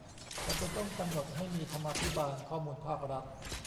จำเป็นต้องกำหนดให้มีธรรมาภิบาลข้อมูลภาครัฐ